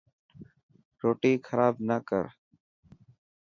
روٽي خراب نه ڪر.